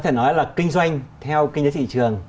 nói là kinh doanh theo kinh doanh thị trường